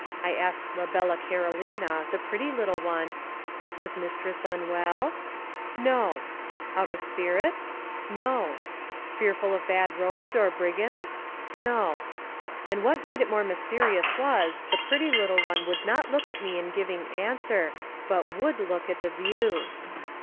I asked la bella Carolina, the pretty little one, Was mistress unwell?—No.—Out of spirits?—No.—Fearful of bad roads, or brigands?—No. And what made it more mysterious was, the pretty little one would not look at me in giving answer, but would look at the view.